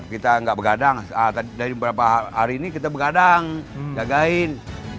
kita nggak begadang dari beberapa hari ini kita begadang jagain